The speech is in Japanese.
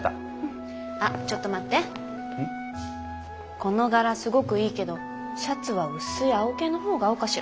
この柄すごくいいけどシャツは薄い青系の方が合うかしら？